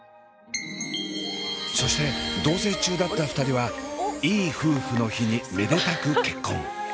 そして同棲中だった２人はいい夫婦の日にめでたく結婚。